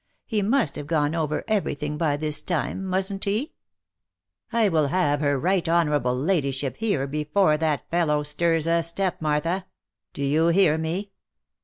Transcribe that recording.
He must have gone over every thing by this time, mustn't he V* " I will have her right honourable ladyship here before that fellow stirs a step, Martha. Do you hear me